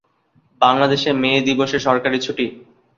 বাংলাদেশে মে দিবসে সরকারি ছুটি।